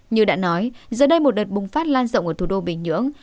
như đã nói giờ đây một đợt bùng phát lan rộng ở thủ đô bình nhưỡng